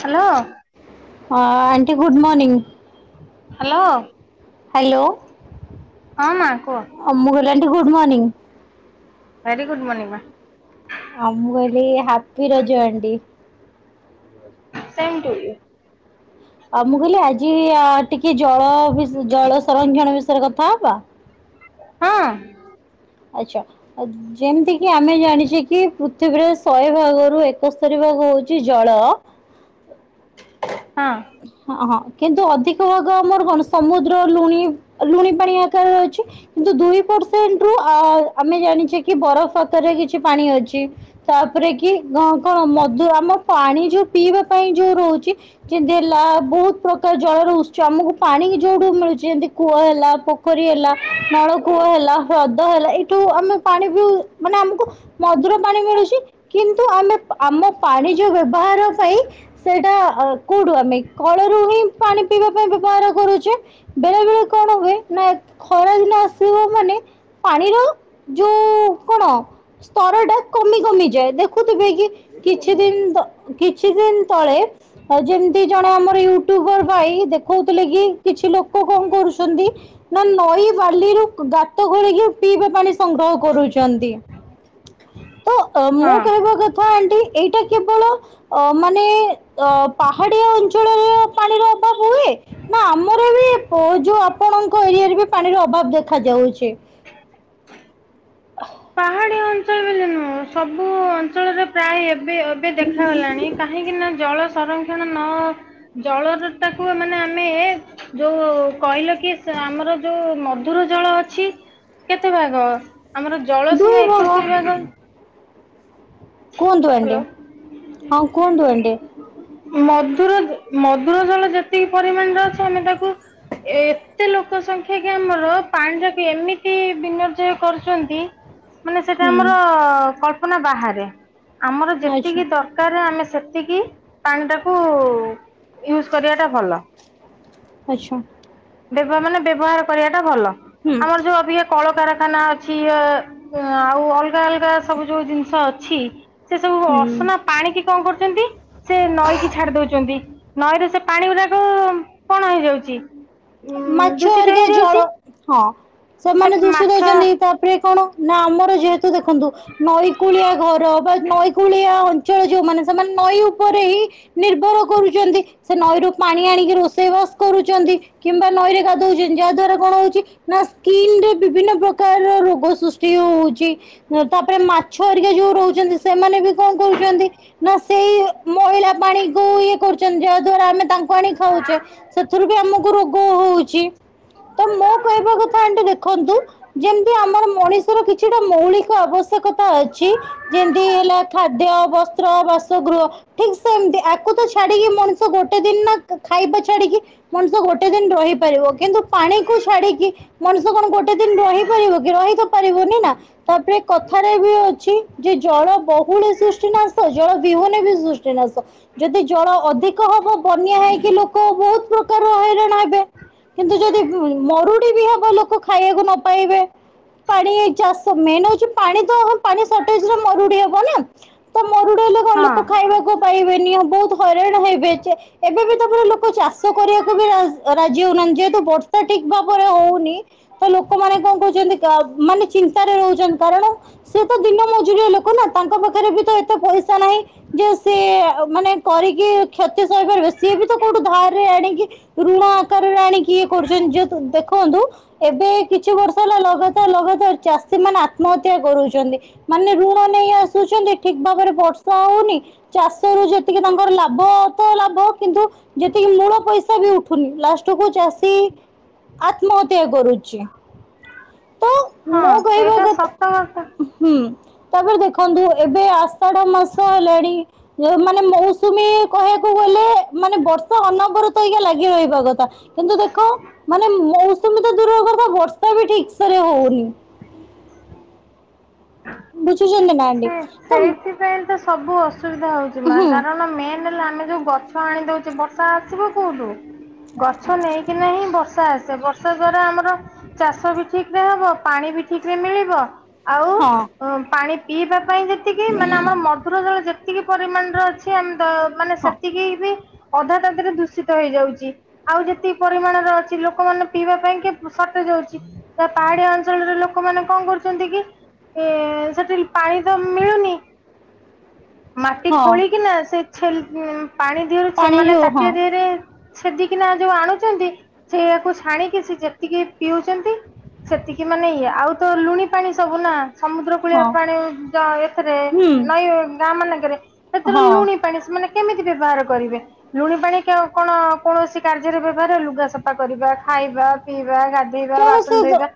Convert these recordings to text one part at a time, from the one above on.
Hello. Aunty good morning hello. Hello. ହଁ ମା କୁହ? ଅମଗଲୁ aunty good morning. Very good morning ମା। ଆମ କହିଲି happy ରଜୁ aunty. Same to you. ଆଉ ମୁଁ କହିଲି ଆଜି ଆ ଟିକେ ଜଳ ବି ଜଳ ସଂରକ୍ଷଣ ବିଷୟରେ କଥା ହବା। ହଁ ଆଛା ଯେମିତି କି ଆମେ ଜାଣିଛେ କି ପୃଥିବୀରେ ଶହେ ଭାଗରୁ ଏକସ୍ତରୀ ଭାଗ ହଉଛି ଜଳ। ହଁ ହଁ ହଁ କିନ୍ତୁ ଅଧିକ ଭାଗ ଆମର କଣ ସମୁଦ୍ର ଲୁଣି ଲୁଣି ପାଣି ଆକାରରେ ଅଛି କିନ୍ତୁ ଦୁଇ ପ ରୁ ଆମେ ଜାଣିଛେ କି ବରଫ ଆକାରରେ କିଛି ପାଣି ଅଛି। ତାପରେ କି କଣ ମଧୁ ଆମ ପାଣି ଯୋଉ ପିଇବା ପାଇଁ ଯୋଉ ରହୁଛି। ଯେମିତି ହେଲା ବହୁତ ପ୍ରକାର ଜଳର ଉ ଆମକୁ ପାଣି ଯୋଉଠୁ ମିଳୁଛି ଏମିତି କୂଅ ହେଲା ପୋଖରୀ ହେଲା ନଳକୂଅ ହେଲା। ହ୍ରଦ ହେଲା ଏଇଠୁ ଆମେ ପାଣି ବିିଉ ମାନେ ଆମକୁ ମଧୁର ପାଣି ମିଳୁଛି କିନ୍ତୁ ଆମେ ଆମ ପାଣି ଯଉ ବ୍ୟବହାର ପାଇଁ ସେଇଟା ଆଉ କୋଉଠୁ ଆମେ କଳରୁ ହିଁ ପାଣି ପିଇବା ପାଇଁ ବ୍ୟବହାର କରୁଛେ। ବେଳେ ବେଳେ କଣ ହୁଏ ନା ଖରା ଦିନ ଆସେ [inaudible] ପାଣିର ଯୋଉ କଣ ସ୍ତର ଟା କମି କମିଯାଏ ଦେଖୁଥିବେ କି କିଛି ଦିନ ତ କିଛି ଦିନ ତଳେ ହଉ ଯେମିତି ଜଣେ ଆମର ୟିଉ ୟୁଟ୍ୟୁବର ଭାଇ ଦେଖଉଥିଲେ କି କିଛି ଲୋକ କଣ କରୁଛନ୍ତି ନା ନଈ ବାଲିରୁ ଗାତ ଘୋଳିକି ପିଇବା ପାଣି ସଂଗ୍ରହ କରୁଛନ୍ତି। ତ ମୋ ହଁ। କହିବା କଥା ଆଣ୍ଟି ଏଇଟା କେବଳ ଅ ମାନେ ଅ ପାହାଡିଆ ଅଞ୍ଚଳରେ ପାଣିର ଅଭାବ ହୁଏ। ନା ଆମର ବି ପ ଯୋଉ ଆପଣଙ୍କ ଏରିଆରେ ବି ପାଣିର ଅଭାବ ଦେଖା ଯାଉଛି? ପାହାଡି ଅଞ୍ଚଳରେ ବୋଲି ନୁହଁ ସବୁ ଅଞ୍ଚଳରେ ପ୍ରାୟ ଏବେ ଏବେ ଦେଖାଗଲାଣି କାହିଁକିନା ଜଳ ସଂରକ୍ଷଣ ନ ଜଳର ଟାକୁ ମାନେ ଆମେ ଯୋଉ କହିଲ କି ସେ ଆମର ଯୋଉ ମଧୁର ଜଳ ଅଛି। କେତେ ଭାଗ ଅ ଆମର ଜଳ ସୀମା ଏକସ୍ତରୀ ଭାଗ। କୁହନ୍ତୁ ଆଣ୍ଟି ହ୍ୟାଲୋ ହଁ କୁହନ୍ତୁ ଆଣ୍ଟି। ମଧୁର ମଧୁର ଜଳ ଯେତିକି ପରିମାଣରେ ଅଛି ଆମେ ତାକୁ ଏତେ ଲୋକ ସଂଖ୍ୟା କି ଆମର ପାଣି ଟାକୁ ଏମିତି ବିନିର୍ଯୟ କରୁଛନ୍ତି ହ [inaudible] ମାନେ ସେଇଟା ଆମର ଅ କଳ୍ପନା ବାହାରେ ଆମର ଆଚ୍ଛା ଯେତିକି ଦରକାର କାର ଆମେ ସେତିକି ପାଣିଟାକୁ ୟୁଜ୍ କରିବାଟା ଭଲ କା ଆଚ୍ଛା। ବ୍ୟବହାର ମାନେ ବ୍ୟବହାର କରିବାଟା ଭଲ ହୁଁ ଆମର ଯୋଉ ଅଭିକା କଳକାରଖାନା ଅଛି ଆ ଆଉ ଅଲଗା ଅଲଗା ସବୁ ଯୋଉ ଜିନିଷ ଅଛି ସେ ସବୁ ହୁଁ ଅସନା ପାଣି କିି କଣ କରୁଛନ୍ତି ସେ ନଈକି ଛାଡି ଦଉଛନ୍ତି ନଈରେ ସେ ପାଣି ଗୁଡାକ କଣ ହେଇଯାଉଛି ଉ ମାଛ ଦୂଷିତ ଆରିକା ଜଳ ହେଇଯାଉଛି ହଁ ସେ ସେମାନେ ଦୂଷ ମାଛ ଦଉଛନ୍ତି ତାପରେ କଣ ନା ଆମର ଯେହେତୁ ଦେଖନ୍ତୁ ନଈକୂଳିଆ ଘର ବା ନଈକୂଳିଆ ଚଳ ଯଉ ମାନେ ସେମାନେ ନଈ ଉପରେ ହିଁ ନିର୍ଭର କରୁଛନ୍ତି ସେ ନଈରୁ ପାଣି ଆଣିକି ରୋଷେଇବାସ କରୁଛନ୍ତି। କିମ୍ବା ନଈରେ ଗାଧଉଛନ୍ତି ଯାହା ଦ୍ୱାରା କଣ ହଉଛି ନା ସ୍କିନ ରେ ବିଭିନ୍ନ ପ୍ରକାର ରୋଗ ସୃଷ୍ଟି ହଉଛି ହୁଁ ତାପରେ ମାଛ ଆରିକ ଯୋଉ ରହୁଛନ୍ତି ସେମାନେ ବି କଣ କରୁଛନ୍ତି ନା ସେଇ ଇ ମଇଳା ପାଣି କୁ ଇଏ କରୁଛନ୍ତି ଯାହାଦ୍ଵାରା ଆମେ ତାଙ୍କୁ ଆଣି ଖାଉଛେ ସେଥିରୁ ବି ଆମକୁ ରୋଗ ହ ହଉଛି। ତ ମୋ କହିବା କଥା ଆଣ୍ଟି ଦେଖନ୍ତୁ ଯେମିତି ଆମର ମଣିଷର କିଛି ହଁ ମୌଳିକ ଆବଶ୍ୟକତା ଅଛି ଯେମିତି ହେଲା ଖାଦ୍ୟ ବସ୍ତ୍ର ବାସଗୃହ ଅ ଠିକ ସେମିତି ୟାକୁ ତ ଛାଡିକି ମଣିଷ ଗୋଟେ ଦିନ ନା ଖାଇବା ଛାଡିକି ମଣିଷ ଗୋ ଗୋଟେ ଦିନ ରହିପାରିବ କିନ୍ତୁ ପାଣିକୁ ଛାଡିକି ମଣିଷ କଣ ଗୋଟେ ଦିନ ରହିପାରିବ କି ରହି ପାରିବନି ନା। ତାପରେ କଥାରେ ବି ଅଛି ଯେ ଜଳ ବହୁଳେ ସୃଷ୍ଟି ନାଶ ଜଳ ବିହନ ବି ସୃଷ୍ଟି ନାଶ ଯଦି ଜଳ ଅଧିକ ହବ ବନ୍ୟା ହେଇକି ଲୋକ ବହୁତ ପ୍ରକାର ହଇରାଣ ହେବେ କିନ୍ତୁ ଯଦି ମରୁଡି ବି ହବ ଲୋକ ଖାଇବାକୁ ନ ପାଇବେ ପାଣି ଚାଷ ମେନ ହଉଛି ପାଣି ତ ପାଣି ଶର୍ତଜେ ରେ ମରୁଡି ହବ ନା ତ ମରୁଡି ହେଲେ କଣ ହଁ ଲୋକ ଖାଇବାକୁ ପାଇବେନି ବହୁତ ହଇରାଣ ହେବେ ଚା ଏବେ ବି ତମର ଲୋକ ଚାଷ କରିବାକୁ ବି ରାଜି ରାଜି ହଉନାହାନ୍ତି ଯେହେତୁ ବର୍ଷା ଠିକ ଭାବରେ ହଉନି ତ ଲୋକମାନେ କଣ କହୁଛନ୍ତି ତ ମାନେ ଚିନ୍ତାରେ ରହୁଛନ୍ତି କାରଣ ସେ ତ ଦିନ ମଜୁରିଆ ଲୋକ ନା ତାଙ୍କ ପାଖରେ ବି ତ ଏତେ ପଇସା ନାହିଁ ଯେ ସେ ମାନେ କରିକି କ୍ଷତି ସହିପାରିବେ ସିଏ ବି ତ କୋଉଠୁ ଧାରରେ ଆଣିକି ଋଣ ରାଣୀ କିଏ କରୁଛନ୍ତି ଯେହେତୁ ଦେଖନ୍ତୁ ଏବେ କିଛି ବର୍ଷ ହେଲା ଲଗାତାର ଲଗାତାର ଚାଷୀ ମାନେ ଆତ୍ମହତ୍ୟା କରୁଛନ୍ତି। ମାନେ ଋଣ ନେଇ ଆସୁଛନ୍ତି ଠିକ ଭାବରେ ବର୍ଷା ହଉନି ଚାଷ ରୁ ଯେତିକି ତାଙ୍କର ଲାଭ ତ ଲାଭ କିନ୍ତୁ ଯେତିକି ମୂଳ ପଇସା ବି ଉଠୁନି ଲାଷ୍ଟକୁୁ ଚାଷ ଆତ୍ମହତ୍ୟା କରୁଛି। ତ ହଁ ମୁଁ କହିବା ସେଇଟା କଥା ସତ ହୁଁ। ତାପରେ ଦେଖନ୍ତୁ ଏବେ ଆଷାଢ ମାସ ହେଲାଣି ଯୋଉ ମାନେ ମୌସୁମୀ କହିବାକୁ ଗଲେ ମାନେ ବର୍ଷା ଅନବର ତ ଆଜ୍ଞା ଲାଗି ରହିବ କଥା କିନ୍ତୁ ଦେଖ ମାନେ ମୌସୁମୀ ତ ଦୂରର କଥା ବର୍ଷା ବି ଠିକ୍ ସେ ରେ ହଉନି। ବୁଝୁଚ ନା। ଆଣ୍ଟି ସେ ତ ହୁଁ ସେଇଥିପାଇଁ ତ ସବୁ ଅସୁବିଧା ହଉଛି ନା କାରଣ ମେନ୍ ନ ହେଲେ ଆମେ ଯୋଉ ଗଛ ହାଣିଦଉଚୁ ବର୍ଷା ଆସିବ କୋଉଠୁ? ଗଛ ନେଇକିନା ହିଁ ବର୍ଷା ଆସେ। ବର୍ଷା ଦ୍ଵାରା ଆମର ଚାଷ ବି ଠିକ୍ ରେ ହବ। ପାଣି ବି ଠିକ୍ ସେ ମିଳିବ। ଆଉ ହଁ ପାଣି ପିଇବା ପାଇଁ ଯେତିକି ମାନେ ଆମର ମଧୁର ଜଳ ଯେ ସେତିକି ପରିମାଣର ଅଛି ଆମ ତ ମାନେ ହଁ ସେତିକି ବି ଅଧା ତାଧିରେ ଦୂଷିତ ହେଇଯାଉଛି। ଆଉ ଯେତିକି ପରିମାଣରେ ଅଛି ଲୋକମାନେ ପିଇବା ପାଇଁ କେ ସଟେଜ୍ ହଉଛି। ତ ପାହାଡିଆ ଅଞ୍ଚଳର ଲୋକମାନେ କଣ କରୁଚନ୍ତି କି ଏ ସେଠି ପାଣି ତ ମିଳୁନି ମାଟି ହଁ ଖୋଳିକିନା ସେ ଛେଲ୍ ପାଣି ଦିହରୁ ଛେ ପାଣି ମାନେ ଯୋଉ ହଁ ତାଟିଆ ଦିହରେ ସେଦିକିନା ଯୋଉ ଆଣୁଛନ୍ତି, ସେୟାକୁ ଛାଣିକି ସେ ଯେତିକି ପିଉଛନ୍ତି। ସେତିକି ମାନେ ଇଏ। ଆଉ ତ ଲୁଣି ପାଣି ସବୁ ନା। ସମୁଦ୍ର କୂଳିଆ ହଁ ପାଣି ଏଥେରେ ହୁଁ ନଈ ଗାଁ ମାନଙ୍କରେ। ସେଥିରେ ହଁ। ଲୁଣି ପାଣି ସେମାନେ କେମିତି ବ୍ୟବହାର କରିବେ? ଲୁଣି ପାଣି କ-କଣ କୌଣସି କାର୍ଯ୍ୟରେ ବ୍ୟବହାର ଲୁଗା ସଫା କରିବା, ଖାଇବା ପିଇବା, ଗା ଧେଇବା, ବାସନ କୌଣସି ଧୋଇବା।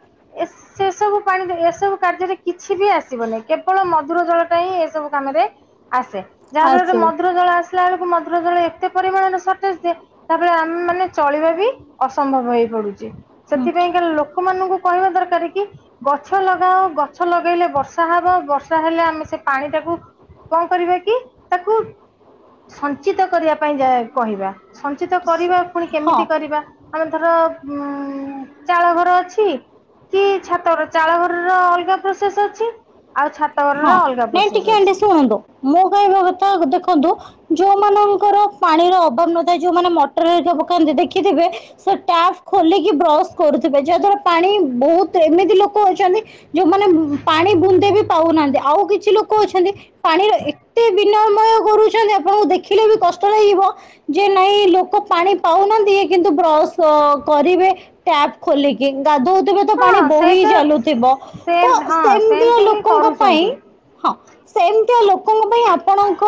ଏ ସେ ସବୁ ପାଣିରେ ଏସବୁ କାର୍ଯ୍ୟରେ କିଛି ବି ଆ ଆସିବନି କେବଳ ମଧୁର ଜଳଟା ହିଁ ଏସବୁ କାମରେ ଆସେ। ଯାହାଫଳରେ ଆସିବ ମଧୁର ଜଳ ଆ ଆସିଲା ବେଳକୁ ମଧୁର ଜଳ ଏତେ ପରିମାଣରେ ସର୍ଟେଜ ଯେ ତା ପରେ ଆମେ ମାନେ ଚଳିବା ବି ଅସମ୍ଭବ ହେଇ ପଡୁଚି। ସେଥିପାଇଁ କାର ଲୋକମାନଙ୍କୁ କହିବା ଦରକାର କି ଗଛ ଲଗାଅ ଗଛ ଲଗେଇଲେ ବର୍ଷା ବର୍ଷା ହବ। ବର୍ଷା ହେଲେ ଆମେ ସେ ପାଣି ଟାକୁ କଣ କରିବା କି ତାକୁ ସଞ୍ଚିତ କରିବା ପାଇଁ ଯା କହିବା। ସଞ୍ଚିତ କରିବା ପୁଣି ହଁ କେମିତି କରିବା? ଆଊ ଧର ଉଁ ଚାଳଘର ଅଛି। କି ଛାତର ଚାଳଘରର ଅଲଗା ପ୍ରୋସେସ୍ ଅଛି। ଆଉ ଛାତ ଘରର ହଁ। ଅଲଗା ନାଇଁ ପ୍ରୋସେସ ଟିକେ ଆଣ୍ଟିି ଅଛି ଶୁଣନ୍ତୁ। ମୁଁ କହୁବା କଥା ଦେଖନ୍ତୁ ଯୋଉ ମାନଙ୍କର ପାଣିର ଅଭାବ ନ ଥାଏ ଯୋଉମାନେ ମଟର ହେରିକା ପକାନ୍ତି ଦେଖିଥିବେ ସେ ଟ୍ୟାପ୍ ଖୋଲିକି ବ୍ରସ୍ କରୁଥିବେ। ଯାହା ଦ୍ଵାରା ପାଣି ବହୁତ ଏମିତି ଲୋକ ଅଛନ୍ତି ଯୋଉମାନେ ପାଣି ବୁନ୍ଦେ ବି ପାଉନାହାନ୍ତି ଆଉ କି କିଛି ଲୋକ ଅଛନ୍ତି ପାଣିର ଏତେ ବିନମୟ କରୁଛନ୍ତି ଆପଣଙ୍କୁ ଦେଖିଲେ ବି କଷ୍ଟ ଲାଗିବ ଯେ ନାଇଁ ଲୋକ ପାଣି ପାଉନାହାନ୍ତି ଇଏ କିନ୍ତୁ ବ୍ରସ୍ କରିବେ ଟ୍ୟାପ୍ ଖୋଲିକି। ଗାଧଉଥିବେ ହଁ ପାଣି ବୋହି ସେଇଟା ଚାଲୁଥିବ। ସେ ତ ହଁ ସେମିତିଆ ସେମିତି ହିଁ ଲୋକ କରୁଛନ୍ତି ହଁ ସେମିତିଆ ଲୋ ଲୋକଙ୍କ ପାଇଁ ଆପଣଙ୍କ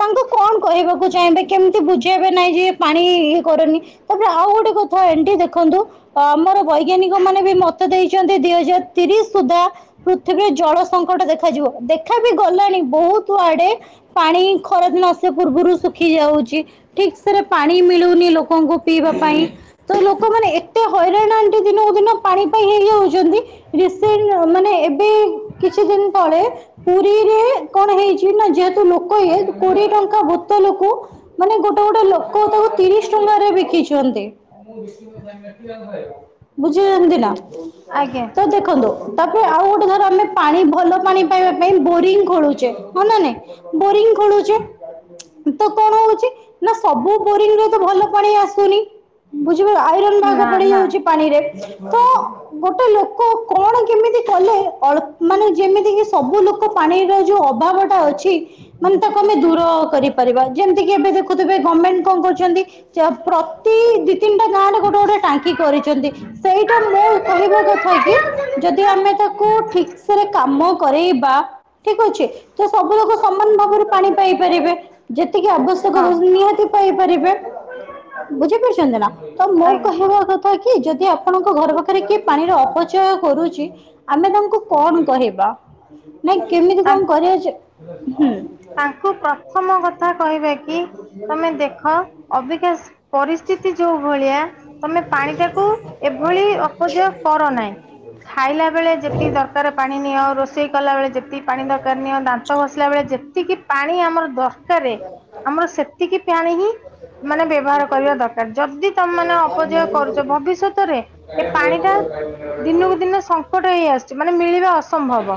ତାଙ୍କୁ କଣ କହିବାକୁ ଚାହିଁବେ କେମିତି ବୁଝେ ସେ ଏବେ ନାଇଁ ଯେ ପାଣି ଇଏ କରନି। ତା ପରେ ଆଉ ଗୋଟେ କଥା ଆଣ୍ଟି ଦେଖନ୍ତୁ ତ ଆମର ବୈଜ୍ଞାନିକ ମାନେ ବି ମତ ଦେଇଛନ୍ତି ଦି ହଜାର ତିରିଶ ସୁଦ୍ଧା ପୃଥିବୀ ଜଳ ସଙ୍କଟ ଦେଖାଯିବ। ଦେଖା ବିି ଗଲାଣି ବହୁତ ଆଡେ ପାଣି ଖରାଦିନ ଆସିବା ପୂର୍ବୁରୁ ଶୁଖି ଯାଉଚି। ଠିକସେରେ ପାଣି ମିଳୁନି ଲୋ ଲୋକଙ୍କୁ ପିଇବା ପାଇଁ। ତ ଲୋକମାନେ ଏତେ ହଇରାଣ ଆଣ୍ଟି ଦିନକୁ ଦିନ ପାଣି ପାଇଁ ହେଇ ଯାଉଛନ୍ତି। ରିସେଣ୍ଟ ମାନେ ଏବେ କିଛି ଦିନ ତଳେ ପୁରୀରେ କଣ ହେଇଛି ନା ଯେହେତୁ ଲୋକ ଇଏ କୋଡିଏ ଟଙ୍କା ବୋତଲକୁ ମାନେ ଗୋଟେ ଗୋଟେ ଲୋକ ତାକୁ ତିରିଶ ଟଙ୍କା ବିକିଚନ୍ତି। [unintelligible] ବୁଝିଛନ୍ତି ନା ଆଜ୍ଞା ତ ଦେଖନ୍ତୁ। ତାପରେ ଆଉ ଗୋଟେ ଧର ଆମେ ପାଣି ଭଲ ପାଣି ପାଇବା ପାଇଁ ବୋରିଂ ଖୋଳୁଛେ ହଁ ନା ନାଇଁ ବୋରିଂ ଖୋଳୁଚେ ତ କଣ ହଉଚି ନା ସବୁ ବୋରିଙ୍ଗରେ ତ ଭଲ ପାଣି ଆସୁନି ବୁଝବେ ଆଇରନ୍ ଦାଗ ନା ନା ପଡିଯାଉଛି ପାଣିରେ ତ ଗୋଟେ ଲୋକ କ କଣ କେମିତି କଲେ ଅଳ୍ପ ମାନେ ଯେମିତି କିି ସବୁ ଲୋକ ପାଣିର ଯୋଉ ଅଭାବ ଟା ଅଛି ମାନେ ତାକୁ ଆମେ ଦୂର କରିପାରିବା ଯେମିତି କିି ଏବେ ଦେଖୁଥିବେ ଗମେଣ୍ଟ କଣ କରୁଚନ୍ତି [inaudible] ପ୍ରତି ଦି ତିନିଟା ଗାଁରେ ଗୋଟେ ଗୋଟେ ଟାଙ୍କି କରିଚନ୍ତି ସେଇଟା ମୋ କହିବା କଥା କି ଯଦି ଆମେ ତାକୁ ଠିକ ସେରେ କାମ କରେଇବା ଠିକ ଅଛି ତ ସବୁ ଲୋକ ସମାନ ଭାବରେ ପାଣି ପାଇପାରିବେ ଯେତିକି ଆବଶ୍ୟକ ହଁ ନିହାତି ପାଇପାରିବେ ବୁଝିପାରୁଚନ୍ତି ନା ତ ମୋ ଆଜ୍ଞା କହିବା କଥା କି ଯଦି ଆପଣଙ୍କ ଘର ପାଖରେ କିଏ ପାଣିର ଅପଚୟ କରୁଚି ଆମେ ତାଙ୍କୁ କଣ କହିବା ନାଇଁ କେମିତି କଣ ତାଙ୍କୁ କରିବା ଯେ ହୁଁ। ତାଙ୍କୁ ପ୍ରଥମ କଥା କହିବା କି ତମେ ଦେଖ ଅବିକାଶ ପରିସ୍ଥିତି ଯୋଉ ଭଳିଆ ତମେ ପାଣି ଟାକୁ ଏଭଳି ଅପଚୟ କର ନାହିଁ। ଖାଇଲା ବେଳେ ଯେତିକି ଦର କାର ପାଣି ନିଅ ରୋଷେଇ କଲା ବେଳେ ଯେତିକି ପାଣି ଦରକାର ନିଅ ଦାନ୍ତ ଘଷିଲା ବେଳେ ଯେତିକି ପାଣି ଆମର ଦର କାରେ ଆମର ସେତିକି ପାଣି ହିଁ ମାନେ ବ୍ୟବହାର କରିବା ଦରକାର ଯଦି ତମ ମାନେ ଅପଚୟ କରୁଛ ଭବିଷ୍ୟତରେ ଏ ପାଣି ଟା ଦିନକୁ ଦିନ ସଙ୍କ ହେଇ ଆସୁଛି ମାନେ ମିଳିବା ଅସମ୍ଭବ।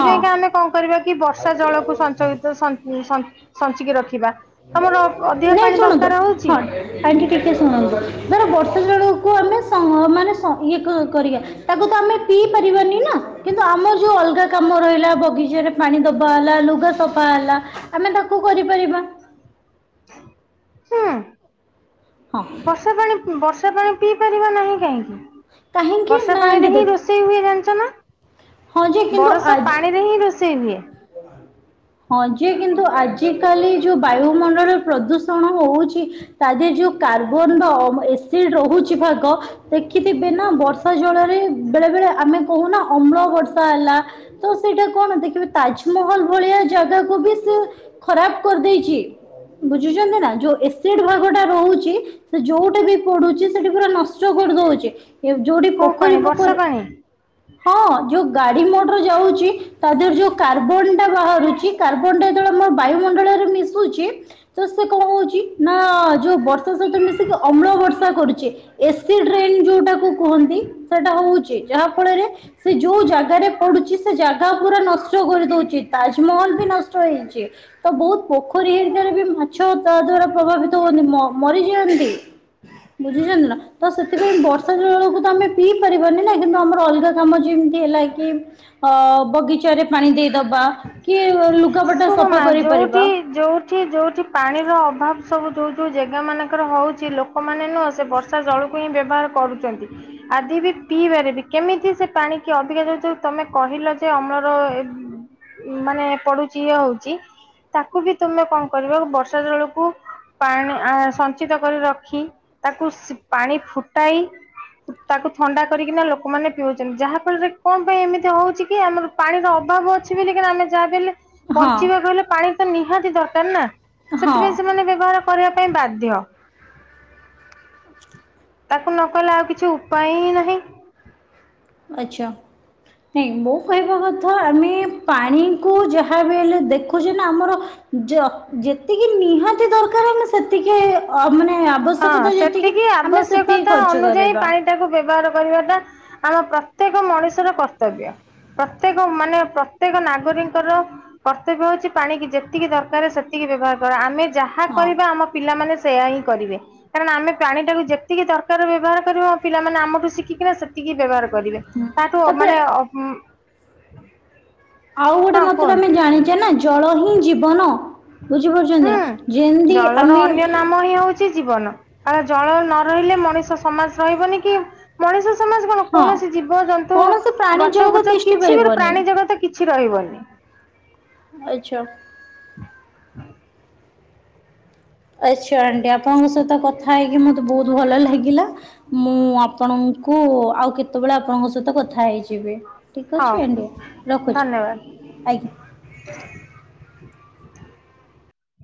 ହଁ ଆମେ କଣ କରିବା କି ବର୍ଷା ଜଳକୁ ସଂଞ୍ଚୟିତ ତ ସଞ୍ଚ ସଞ୍ଚ ସଞ୍ଚିକି ରଖିବା ତମର ଅଧିକା ନାଇଁ ପାଣି ଶୁଣନ୍ତୁ ଦରକାର ହଉଚି ହଁ ଆଣ୍ଟି ଟିକେ ଶୁଣନ୍ତୁ ଧର ବର୍ଷା ଜଳକୁ ଆମେ ସ ମାନେ ଶ ଇଏ କ କରିବା ତାକୁ ତ ଆମେ ପିଇ ପାରିବାନି ନା। କିନ୍ତୁ ଆମର ଯୋଉ ଅଲଗା କାମ ରହିଲା ବଗିଚାରେ ପାଣି ଦବା ହେଲା ଲୁଗା ସଫା ହେଲା ଆମେ ତାକୁ କରିପାରିବା। ହୁଁ ହଁ ବର୍ଷା ପାଣି ବର୍ଷା ବର୍ଷା ପାଣି ପିଇ ପାରିବା ନାହିଁ କାହିଁକି କାହିଁକି ବର୍ଷା ନା ଆଣ୍ଟି ପାଣିରେ ହିଁ ଦେଖ ରୋଷେଇ ରୋଷେଇ ହୁଏ ଜାଣିଚନା ହଁ ଯେ କିନ୍ତୁ ବରସା ଆଜି ପାଣିରେ ହିଁ ରୋଷେଇ ହୁଏ। ହଁ ଯେ କିନ୍ତୁ ଆଜିକାଲି ଯୋଉ ବାୟୁମଣ୍ଡଳ ପ୍ରଦୂଷଣ ହଉଚି ତା ଦେହେ ଯୋଉ କାର୍ବନର ଏସିଡ ରହୁଛି ଭାଗ ଦେଖିଥିବେ ନା ବର୍ଷା ଜଳରେ ବେଳେ ବେଳେ ଆମେ କହୁନା ଅମ୍ଳ ବର୍ଷା ହେଲା। ତ ସେଇଟା କଣ ଦେଖିବେ ତାଜମହଲ ଭଳିଆ ଜାଗାକୁ ବି ସେ ଖରାପ କରିଦେଇଚି ବୁଝୁଛନ୍ତି ନା ଯୋଉ ଏସିଡ ଭାଗ ଟା ରହୁଚି ସେ ଯୋଉଠେ ବି ପଡୁଚି ସେଠି ପୁରା ନସ୍ ଷ୍ଟ କରିଦଉଚି ଯୋଉଠି କୋଉ ପୋଖରୀ ପାଣି ଫୋଖରୀ ବର୍ଷା ପାଣି। ହଁ। ଯୋଉ ଗାଡି ମୋଟର ଯାଉଚି ତା ଦେହରେ ଯୋଉ କାର୍ବନ ଟା ବାହାରୁଚି କାର୍ବନ ଟା ଯେତେବେଳେ ଆମର ବାୟୁ ମ ମଣ୍ଡଳରେ ମିଶୁଚି। ତ ସେ କଣ ହଉଚି ନା ଯୋଉ ବର୍ଷା ସହିତ ମିଶିକି ଅମ୍ଳ ବର୍ଷା କରୁଚି। ଏସିଡ ରେନ ଯୋଉଟାକୁ କୁହନ୍ତି ସେଟା ହଉଚି ଯାହା ଫଳରେ ସେ ଯୋଉ ଜାଗାରେ ପଡୁଚି ସେ ଜାଗା ପୁରା ନଷ୍ଟ କରିଦଉଚି ତାଜମହଲ ବି ନଷ୍ଟ ହେଇଚି। ତ ବହୁତ ପୋଖରୀ ହେରିକାରେ ବି ମାଛ ତା ଦ୍ଵାରା ପ୍ରଭାବିତ ହୁଅନ୍ତି ମରିଯାଆନ୍ତି। ବୁଝିଛନ୍ତି ନା ତ ସେଥିପାଇଁ ବର୍ଷା ଜଳକୁ ତ ଆମେ ପିଇ ପାରିବାନି। ନାଇଁ କିନ୍ତୁ ଆମର ଅଲଗା କାମ ଯେମତି ହେଲା କି ଅ ବଗିଚାରେ ପାଣି ଦେଇଦବା କି ଲୁଗାପଟା ସଫା କରିପାରିବା। ଏଠି ଯୋଉଠି ପାଣିର ଅଭାବ ସବୁ ଯୋଉ ଯୋଉ ଜାଗା ମାନଙ୍କର ହଉଛି ଲୋକମାନେ ନୁହଁ ସେ ବର୍ଷ ତା ଜଳକୁ ହିଁ ବ୍ୟବହାର କରୁଛନ୍ତି। ଆଦି ବି ପିଇବାରେ ବି କେମିତି ସେ ପାଣିକି ଅଧିକା ଯ ତମେ କହିଲ ଯେ ଅମ୍ଳର ମାନେ ପଡୁଛି ଇଏ ହଉଛି ତାକୁ ବି ତମେ କଣ କରିବ ବର୍ଷା ଜଳକୁ ପାଣି ଆ ସଞ୍ଚିତ କରି ରଖି ତାକୁ ପାଣି ଫୁଟାଇ ତାକୁ ଥଣ୍ଡା କରିକିନା ଲୋକମାନେ ପିଉଛନ୍ତି। ଯାହାଫଳରେ କଣ ପାଇଁ ଏମିତି ହଉଛି କି ଆମର ପାଣିର ଅଭାବ ଅଛି ବୋଲି କିନା ଆମେ ଯାହା ହେଲେ ହଁ ବଞ୍ଚିବାକୁ ହେଲେ ପାଣି ତ ନିହାତି ଦରକାର ନା। ହଁ ସେଥିପାଇଁ ସେମାନେ ବ୍ୟବହାର କରିବା ପାଇଁ ବାଧ୍ୟ। ତାକୁ ନ କଲେ ଆଉ କିଛି ଉପାୟ ହିଁ ନାହିଁ। ଆଚ୍ଛା। ନାଇଁ ମୋ କହିବା କଥା ଆମେ ପାଣିକୁୁ ଯାହା ବି ହେଲେ ଦେଖୁଛେ ନା ଆମର ଯ ଯେତିକି ନିହାତି ଦରକାର ଆମ ସେତିକି ମାନେ ଆବଶ ହଁ ଶ୍ୟକ ଯେତିକି ସେତିକି ଆମେ ସେତିକି ଖର୍ଚ୍ଚ କରିବା। [unintelligible] କୁ ବ୍ୟବହାର କରିବାଟା ଆମ ପ୍ରତ୍ୟେକ ମଣିଷର କର୍ତ୍ତବ୍ୟ। ପ୍ରତ୍ୟେକ ମାନେ ପ୍ରତ୍ୟେକ ନାଗରିଙ୍କର କର୍ତ୍ତବ୍ୟ ହଉଛି ପାଣି ଯେତିକି ଦରକାର ସେତିକି ବ୍ୟବହାର କର ଆମେ ଯାହା ଯାହା ହଁ କରିବା ଆମ ପିଲାମାନେ ସେୟା ହିଁ କରିବେ। କାରଣ ଆମେ ପାଣି ଟାକୁ ଯେତିକି ଦରକାର ବ୍ୟବହାର କରିବ ଆ ପିଲାମାନେେ ଆମଠୁ ଶିଖିକିନା ସେତିକି ବ୍ୟବହାର କରିବେ। ତାଠୁ ତାପରେ ମାନେ [unintelligible] ଆଉ ଗୋଟେ ମତରେ ଆମେ କୁହନ୍ତୁ। ଜାଣିଛେ ନା ଜଳ ହିଁ ଜୀବନ। ବୁଝିପାରୁଛନ୍ତି ହୁଁ ନା ଯେମିତି ଜଳର ଆମେ [unintelligible] ହିଁ ହଉଛି ଜୀବନ କାର ଜଳ ନ ରହିଲେ ମଣିଷ ସମାଜ ରହିବନି କି ମଣିଷ ସମାଜ କଣ ହଁ କୌଣସି ଜୀବଜନ୍ତୁ କୌଣସି ପ୍ରାଣୀ ଗଛ ଜଗତ ଫୁଛ ତିଷ୍ଠି କିଛି ବି ପାରିବନି ପ୍ରାଣୀ ଜଗତ କିଛି ରହିବନି। ଆଚ୍ଛା। ହଁ ଆଚ୍ଛା ଆଣ୍ଟି ଆପଣଙ୍କ ସହିତ କଥା ହେଇକି ମତେ ବହୁତ ଭଲ ଲାଗିଲା। ମୁଁ ଆ ଆପଣଙ୍କୁ ଆଉ କେତେବେଳେ ଆପଣଙ୍କ ସହିତ କଥା ହେଇଯିବି। ଠିକ୍ ହଉ ଅଛି ଆଣ୍ଟି ରଖୁଛି ଧନ୍ୟବାଦ। ଆଜ୍ଞା।